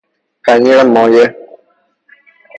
پنیر مایه